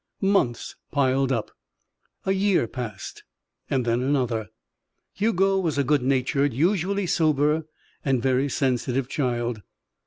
Months piled up. A year passed and then another. Hugo was a good natured, usually sober, and very sensitive child.